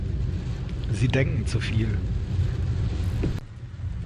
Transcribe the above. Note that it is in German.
Sie denken zu viel.